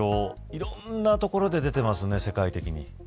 いろんな所で出てますね、世界的に。